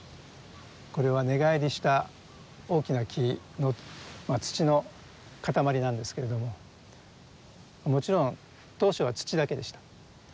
これは根返りした大きな木の土の塊なんですけれどももちろん当初は土だけでした。